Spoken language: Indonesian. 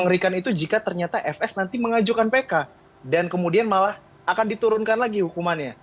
dan itu jika ternyata fs nanti mengajukan pk dan kemudian malah akan diturunkan lagi hukumannya